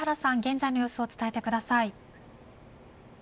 現在の様子を伝えてください。